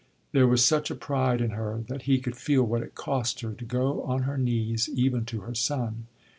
There was such a pride in her that he could feel what it cost her to go on her knees even to her son.